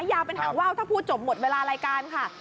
ยาวเป็นหางว่าวถ้าพูดจบหมดเวลารายการค่ะ